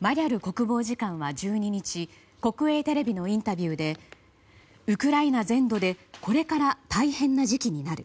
マリャル国防次官は１２日国営テレビのインタビューでウクライナ全土でこれから大変な時期になる。